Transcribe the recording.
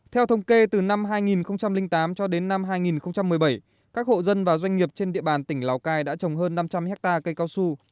theo thống kê từ năm hai nghìn tám cho đến năm hai nghìn một mươi bảy các hộ dân và doanh nghiệp trên địa bàn tỉnh lào cai đã trồng hơn năm trăm linh hectare cây cao su